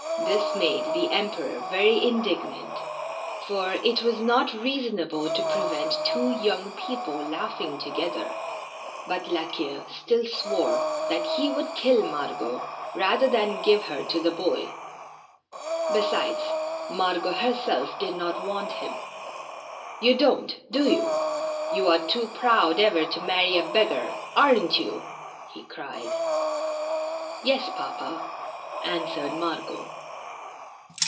This made the Emperor very indignant, for it was not reasonable to prevent two young people laughing together, but La Queue still swore that he would kill Margot rather than give her to thje boy. Besides, Margot herself did not want him. "You don't, do you? You are too proud ever to marry a beggar, aren't you?" he cried. "Yes, papa," answered Margot.